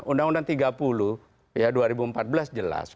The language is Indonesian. undang undang tiga puluh ya dua ribu empat belas jelas